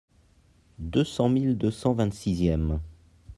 Deux cent mille deux cent vingt-sixième.